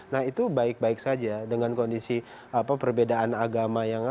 nah itu baik baik saja dengan kondisi perbedaan agama